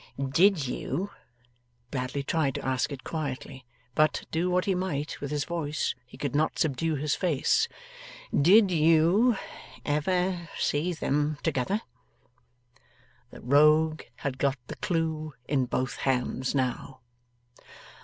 'Did you ' Bradley tried to ask it quietly; but, do what he might with his voice, he could not subdue his face; 'did you ever see them together?' (The Rogue had got the clue in both hands now.)